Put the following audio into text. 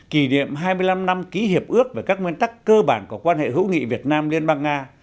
kỷ niệm hai mươi năm năm ký hiệp ước về các nguyên tắc cơ bản của quan hệ hữu nghị việt nam liên bang nga